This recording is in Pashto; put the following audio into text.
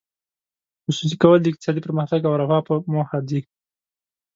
خصوصي کول د اقتصادي پرمختګ او رفاه په موخه دي.